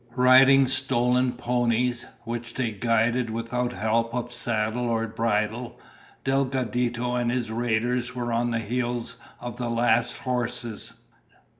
Riding stolen ponies, which they guided without help of saddle or bridle, Delgadito and his raiders were on the heels of the last horses.